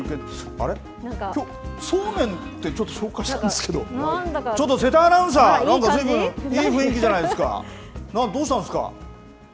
あれ、きょうそうめんって紹介したんですけどちょっと、瀬田アナウンサーずいぶんいい雰囲気じゃないですかどうしたんですか。